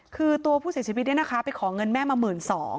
คือตัวผู้เสียชีวิตนี่นะคะไปขอเงินแม่มา๑๒๐๐๐บาท